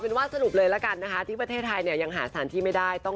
เพราะว่ายาย่าก็เป็นคนให้แซ่กใจ